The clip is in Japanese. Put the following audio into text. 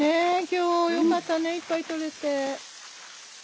今日よかったねいっぱい取れて。